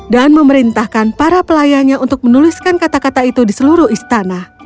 dan memerintahkan para pelayannya untuk menuliskan kata kata itu di seluruh istana